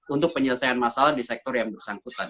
untuk penyelesaian masalah di sektor yang bersangkutan